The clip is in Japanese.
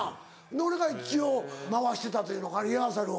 で俺が一応回してたというのかリハーサルを。